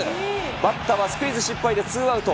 バッターはスクイズ失敗でツーアウト。